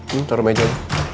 hmm taruh di meja